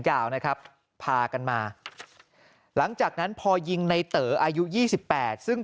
ยาวนะครับพากันมาหลังจากนั้นพอยิงในเต๋ออายุ๒๘ซึ่ง